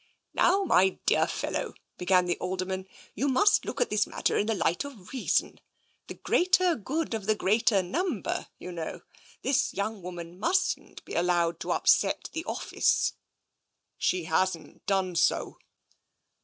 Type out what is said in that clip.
" Now, my dear fellow," began the Alderman, " you must look at this matter in the light of reason. The greater good of the greater number, you know. This young woman mustn't be allowed to upset the office." " She hasn't done so."